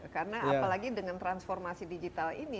karena apalagi dengan transformasi digital ini